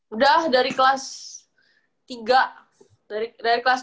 udah dari kelas tiga dari kelas dua kelas tiga